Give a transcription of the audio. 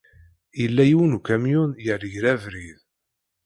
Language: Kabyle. Yella yiwen n ukamyun yergel abrid.